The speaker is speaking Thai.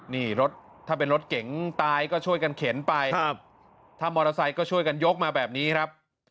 นี่รถถ้าเป็นรถเก๋งตายก็ช่วยกันเข็นไปครับถ้ามอเตอร์ไซค์ก็ช่วยกันยกมาแบบนี้ครับ